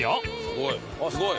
すごい。